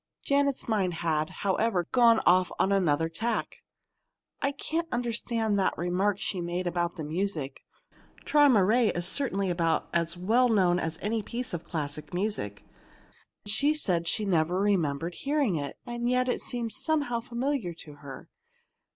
Janet's mind had, however, gone off on another tack. "I can't understand that remark she made about the music. 'Träumerei' is certainly about as well known as any piece of classic music. She said she never remembered hearing it, and yet it seems somehow familiar to her.